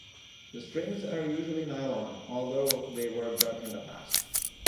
The strings are usually nylon, although they were gut in the past.